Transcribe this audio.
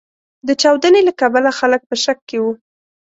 د چاودنې له کبله خلګ په شک کې و.